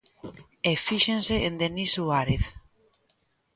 E fíxense en Denis Suárez.